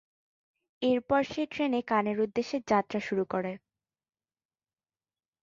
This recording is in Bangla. এরপর সে ট্রেনে কানের উদ্দেশ্যে যাত্রা শুরু করে।